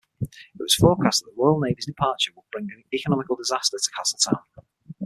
It was forecast that the Royal Navy's departure would bring economical disaster to Castletown.